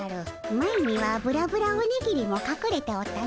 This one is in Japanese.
前にはブラブラオニギリもかくれておったの。